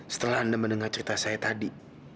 setelah anda mendengar cerita saya tadi